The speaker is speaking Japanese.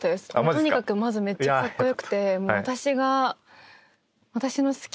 とにかくまずめっちゃカッコ良くて。